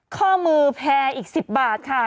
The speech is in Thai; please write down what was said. ข้อมือแพรอีก๑๐บาทค่ะ